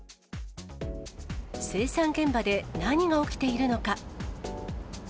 生産現場で何が起きているのか。